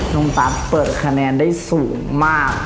ตั๊กเปิดคะแนนได้สูงมาก